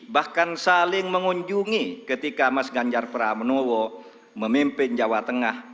bahkan saling mengunjungi ketika mas ganjar pranowo memimpin jawa tengah